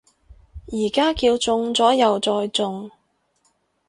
而家叫中咗右再中